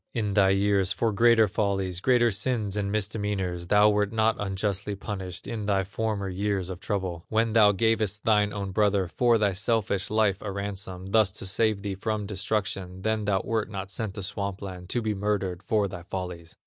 In thy years, for greater follies, Greater sins and misdemeanors, Thou wert not unjustly punished. In thy former years of trouble, When thou gavest thine own brother, For thy selfish life a ransom, Thus to save thee from destruction, Then thou wert not sent to Swamp land To be murdered for thy follies.